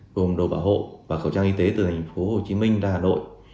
gồm đồ bảo hộ và khẩu trang y tế từ thành phố hồ chí minh ra hà nội